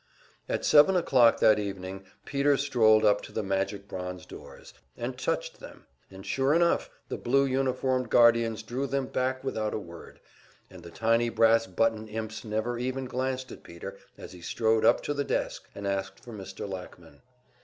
At seven o'clock that evening Peter strolled up to the magic bronze doors, and touched them; and sure enough, the blue uniformed guardians drew them back without a word, and the tiny brass button imps never even glanced at Peter as he strode up to the desk and asked for Mr. Lackman.